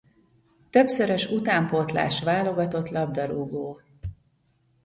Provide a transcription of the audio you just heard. Többszörös utánpótlás válogatott labdarúgó.